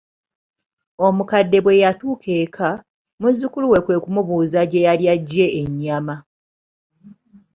Omukadde bwe yatuuka eka, muzzukulu we kwe kumubuuza gye yali ajje ennyama.